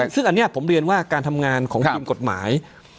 ซึ่งอันนี้ผมเรียนว่าการทำงานของทีมกฎหมาย